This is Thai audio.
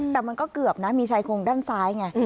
แต่มันก็เกือบนะมีชายโครงด้านซ้ายไง